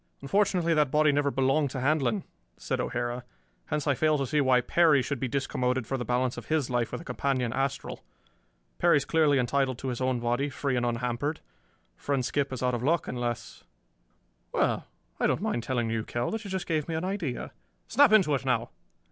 "Unfortunately that body never belonged to Handlon," said O'Hara. "Hence I fail to see why Perry should be discommoded for the balance of his life with a companion astral. Perry is clearly entitled to his own body, free and unhampered. Friend Skip is out of luck, unless Well, I don't mind telling you, Kell, that you just gave me an idea. Snap into it now!"